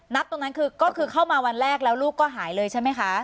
ตรงนั้นคือก็คือเข้ามาวันแรกแล้วลูกก็หายเลยใช่ไหมคะ